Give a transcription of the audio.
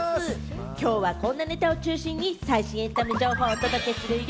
きょうは、こんなネタを中心に最新エンタメ情報をお届けするよ！